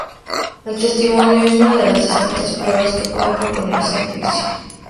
El testimonio es una de las distintas pruebas que pueden proponerse en un juicio.